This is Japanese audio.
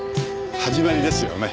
始まりですよね。